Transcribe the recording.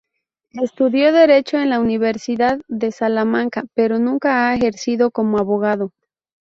Estudió Derecho en la Universidad de Salamanca pero nunca ha ejercido como abogado.